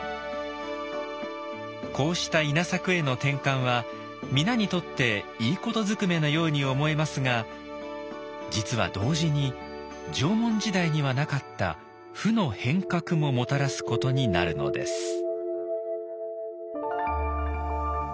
こうした稲作への転換は皆にとっていいことずくめのように思えますが実は同時に縄文時代にはなかった“負の変革”ももたらすことになるのです。